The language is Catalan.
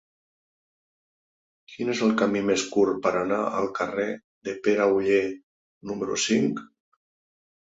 Quin és el camí més curt per anar al carrer de Pere Oller número cinc?